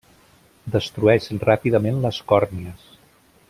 Destrueix ràpidament les còrnies.